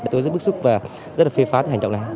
tôi rất bức xúc và rất là phê phá hành trọng này